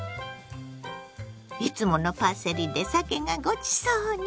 いつものパセリでさけがごちそうに。